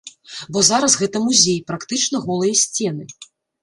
Бо зараз гэта музей, практычна голыя сцены.